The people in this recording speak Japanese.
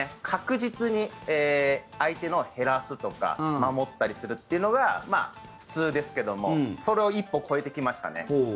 確実に相手のを減らすとか守ったりするというのが普通ですがそれを一歩超えてきましたね。